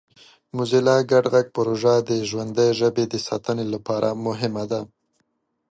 موزیلا ګډ غږ پروژه د ژوندۍ ژبې د ساتنې لپاره مهمه ده.